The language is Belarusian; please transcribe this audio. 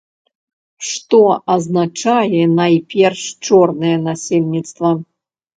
Што азначае найперш чорнае насельніцтва.